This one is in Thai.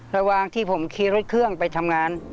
ระหว่างที่ผมขี่รถเครื่องไปทำงาน